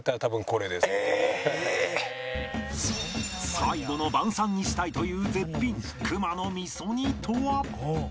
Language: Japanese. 最後の晩餐にしたいという絶品熊の味噌煮とは？